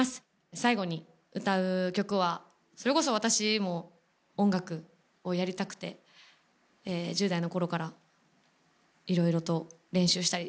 最後に歌う曲はそれこそ私も音楽をやりたくて１０代のころから、いろいろと練習したりやってたんですけど